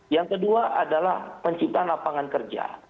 yang kedua adalah penciptaan lapangan kerja